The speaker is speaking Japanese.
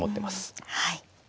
はい。